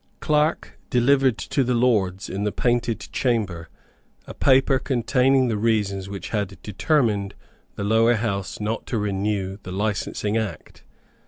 Clarke delivered to the Lords in the Painted Chamber a paper containing the reasons which had determined the Lower House not to renew the Licensing Act.